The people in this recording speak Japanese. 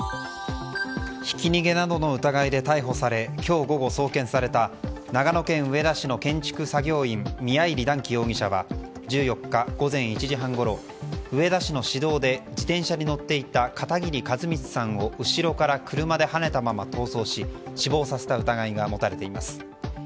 ひき逃げなどの疑いで逮捕され、今日午後送検された長野県上田市の建築作業員、宮入男樹容疑者は１４日午前１時半ごろ上田市の市道で自転車に乗っていた片桐一光さんを後ろから車ではねたまま逃走し死亡させた疑いが持たれています。